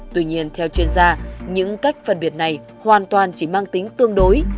tuy nhiên theo chuyên gia những cách phân biệt này hoàn toàn chỉ mang tính tương đối